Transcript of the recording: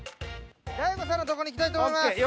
大悟さんのとこに行きたいと思います。